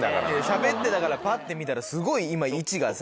しゃべってたからぱって見たらすごい今位置が。